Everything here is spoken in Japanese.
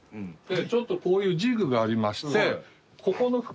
ちょっとこういうジグがありまして。